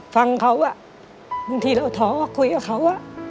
ฟังเขาบางทีเราท้อคุยกับเขา